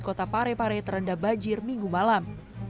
serta pare pare terendam banjir minggu malam